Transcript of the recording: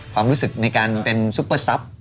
ความรู้สึกในการเป็นซุปเปอร์ซับ